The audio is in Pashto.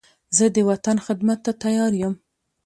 زه د وطن خدمت ته تیار یم.